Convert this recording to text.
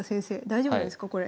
大丈夫ですかこれ。